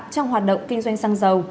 trong hoạt động kinh doanh tài sản